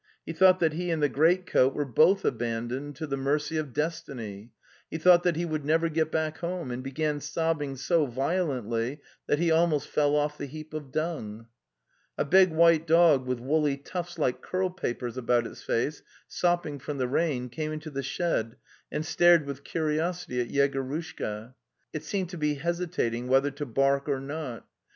He thought that he and the great coat were both abandoned to the mercy of destiny; he thought that he would never get back home, and began sobbing so violently that he almost fell off the heap of dung. A big white dog with woolly tufts like curl papers about its face, sopping from the rain, came into the shed and stared with curiosity at Yegorushka. It seemed to be hesitating whether to bark or not.